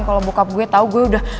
kalau bokap gue tau gue udah